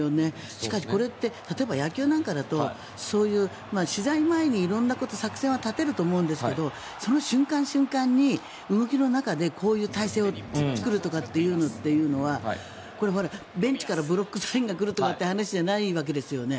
しかしこれって例えば、野球なんかだとそういう取材前に色んな作戦は立てると思うんですがその瞬間、瞬間に動きの中でこういう体制を作るというのはベンチからブロックサインが来るという話じゃないわけですよね。